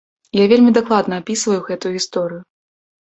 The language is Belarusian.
Я вельмі дакладна апісваю гэтую гісторыю.